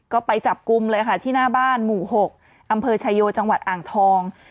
ก็ไปจับกลุ่มเลยค่ะที่หน้าบ้านหมู่๖อำเภอชายโยจังหวัดอ่างทอง